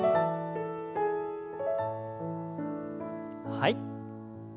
はい。